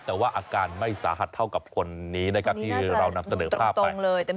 แต่ว่าอาการไม่สาหัสเท่ากับคนนี้นะครับที่เรานำเสนอภาพไป